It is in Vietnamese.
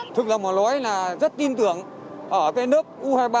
thực lòng mà nói là rất tin tưởng ở cái lớp u hai mươi ba